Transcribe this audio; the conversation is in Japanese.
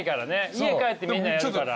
家帰ってみんなやるから。